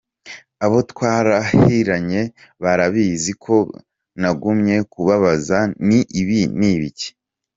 “Abo twarahiranye barabizi ko nagumye kubabaza nti ibi ni ibiki!